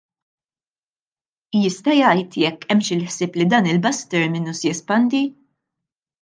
Jista' jgħid jekk hemmx il-ħsieb li dan il-bus terminus jespandi?